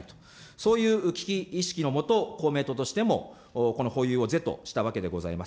そういう危機意識の下、公明党としてもこの保有を是としたわけでございます。